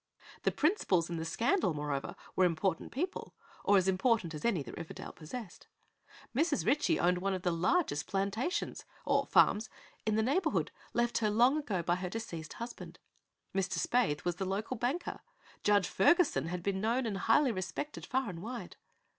The principals in the scandal, moreover, were important people, or as important as any that Riverdale possessed. Mrs. Ritchie owned one of the largest plantations or "farms" in the neighborhood, left her long ago by her deceased husband; Mr. Spaythe was the local banker; Judge Ferguson had been known and highly respected far and wide.